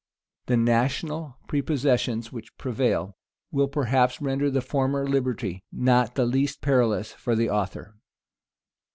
The national prepossessions which prevail, will perhaps render the former liberty not the least perilous for an author.